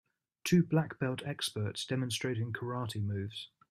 Two black belt experts demonstrating karate moves.